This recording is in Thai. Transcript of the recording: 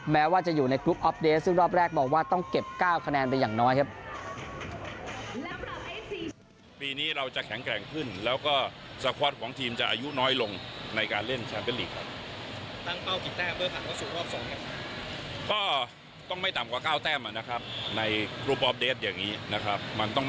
แม้ว่าจะอยู่ในกรุ๊ปออฟเดสซึ่งรอบแรกมองว่าต้องเก็บ๙คะแนนไปอย่างน้อยครับ